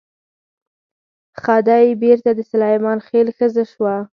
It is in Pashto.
خدۍ بېرته د سلیمان خېل ښځه شوه.